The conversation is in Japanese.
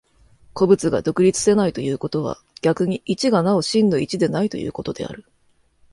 個物が独立せないということは、逆に一がなお真の一でないということである。